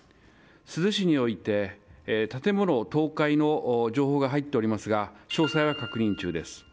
珠洲市において建物倒壊の情報が入っておりますが詳細は確認中です。